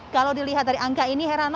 kalau dilihat dari angka ini herano